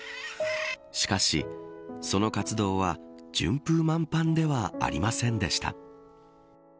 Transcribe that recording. しかし、その活動は順風満帆ではありませんでした。